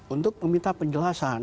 untuk meminta penjelasan